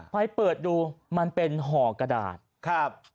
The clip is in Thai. ไปเปิดดูมันเป็นห่อกระดาษครับ